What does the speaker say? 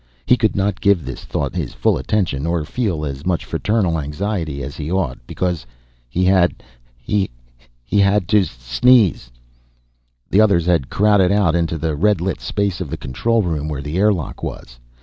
He could not give the thought his full attention, or feel as much fraternal anxiety as he ought, because He had ... he had to sneeze. The others had crowded out into the red lit space of the control room, where the airlock was.